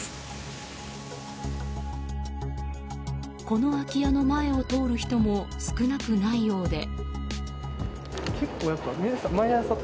この空き家の前を通る人も少なくないようで。